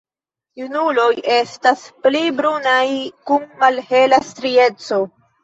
Junuloj estas pli brunaj kun malhela strieco.